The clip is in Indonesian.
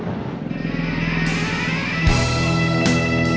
dalam perjalanan ke jepang